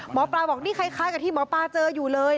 หมอปลาบอกนี่คล้ายกับที่หมอปลาเจออยู่เลย